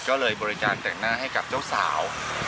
ก็เลยบริจาคแต่งหน้าให้กับเจ้าสาว